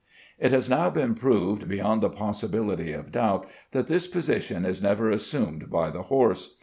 It has now been proved, beyond the possibility of doubt, that this position is never assumed by the horse.